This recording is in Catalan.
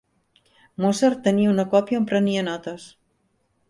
Mozart tenia una copia on prenia notes.